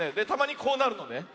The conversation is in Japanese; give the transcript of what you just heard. たまにこうなるのね。